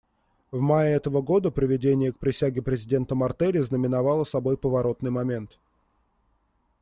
В мае этого года приведение к присяге президента Мартелли знаменовало собой поворотный момент.